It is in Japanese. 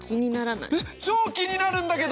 えっ超気になるんだけど！